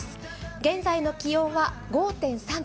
現在の気温は５．３度。